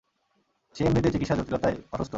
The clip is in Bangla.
সে এমনিতেই চিকিৎসা জটিলতায় অসুস্থ।